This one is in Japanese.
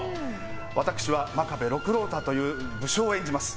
私は真壁六郎太という武将を演じます。